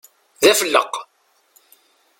D afelleq!